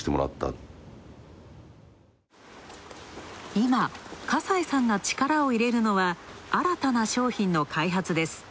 今、笠井さんが力を入れるのは、新たな商品の開発です。